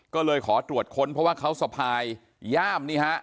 ก็เลยขอตรวจค้นเพราะว่าเขาสะพายย่ามนี่ฮะ